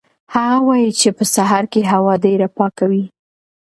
هغه وایي چې په سهار کې هوا ډېره پاکه وي.